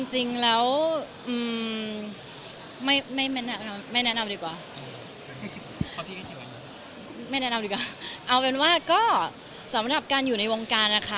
ดีกว่าไม่แนะนำดีกว่าเอาเป็นว่าก็สำหรับการอยู่ในวงการนะคะ